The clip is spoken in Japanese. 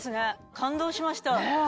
感動しました。